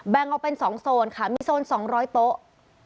งออกเป็น๒โซนค่ะมีโซน๒๐๐โต๊ะ